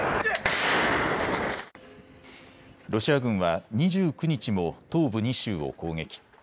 ロシア軍は２９日も東部２州を攻撃。